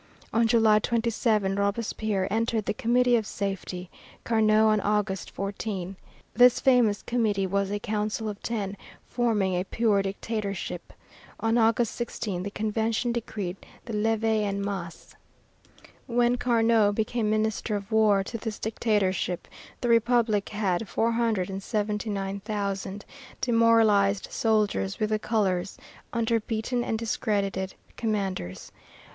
On July 27 Robespierre entered the Committee of Safety; Carnot, on August 14. This famous committee was a council of ten forming a pure dictatorship. On August 16, the Convention decreed the Levée en Masse. When Carnot became Minister of War to this dictatorship the Republic had 479,000 demoralized soldiers with the colors, under beaten and discredited commanders.